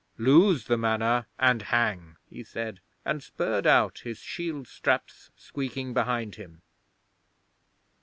Lose the Manor and hang," he said, and spurred out, his shield straps squeaking behind him.